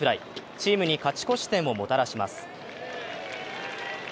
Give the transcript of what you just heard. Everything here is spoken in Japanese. チームに勝ち越し点をもたらします。